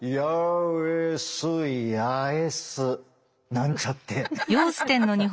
なんちゃって。